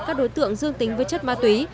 các đối tượng dương tính với chất ma túy